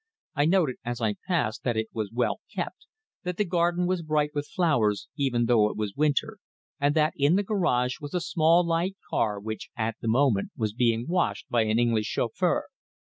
I noted as I passed that it was well kept, that the garden was bright with flowers, even though it was winter, and that in the garage was a small light car which at the moment was being washed by an English chauffeur.